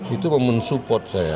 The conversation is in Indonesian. itu memensupport saya